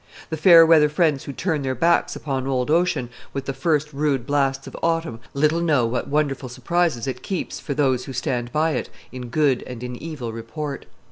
The fair weather friends who turn their backs upon old ocean with the first rude blasts of autumn little know what wonderful surprises it keeps for those who stand by it in good and in evil report.